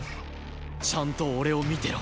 ちゃんと俺を見てろ。